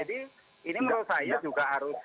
jadi ini menurut saya juga harus